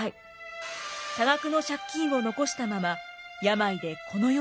多額の借金を残したまま病でこの世を去ったのです。